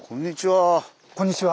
こんにちは。